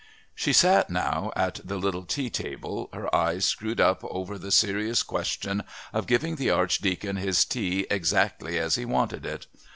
She sat now at the little tea table, her eyes screwed up over the serious question of giving the Archdeacon his tea exactly as he wanted it.